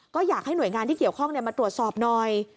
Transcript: ก็อยากให้หน่วยงานที่เกี่ยวข้องมาตรวจสอบหน่อย